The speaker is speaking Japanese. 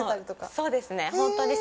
そうですね